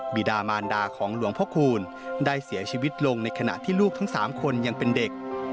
ิดามารดาของหลวงพ่อคูณได้เสียชีวิตลงในขณะที่ลูกทั้ง๓คนยังเป็นเด็ก